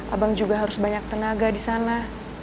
abang juga harus banyak tenaga disana